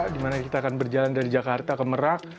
di mana kita akan berjalan dari jakarta ke merak